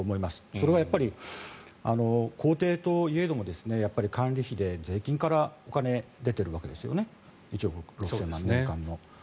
それは、やっぱり公邸といえども管理費で税金からお金が出ているわけですよね１億６０００万